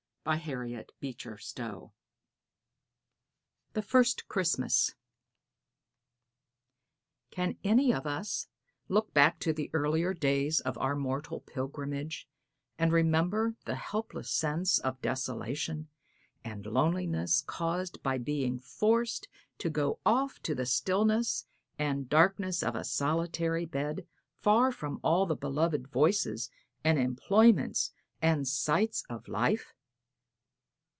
BY HARRIET BEECHER STOWE. THE FIRST CHRISTMAS. Can any of us look back to the earlier days of our mortal pilgrimage and remember the helpless sense of desolation and loneliness caused by being forced to go off to the stillness and darkness of a solitary bed far from all the beloved voices and employments and sights of life?